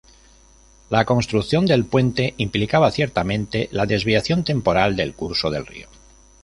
La construcción del puente implicaba ciertamente la desviación temporal del curso del río.